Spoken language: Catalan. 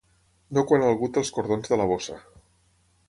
No quan algú té els cordons de la bossa.